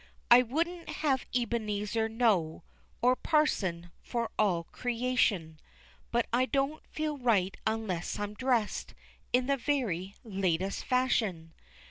I wouldn't have Ebenezer know, Or Parson, for all creation, But I don't feel right unless I'm dressed In the very latest fashion.